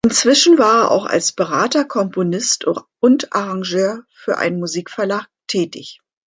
Inzwischen war er auch als Berater, Komponist und Arrangeur für einen Musikverlag tätig.